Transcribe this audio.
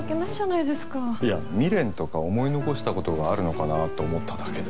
いや未練とか思い残した事があるのかなと思っただけで。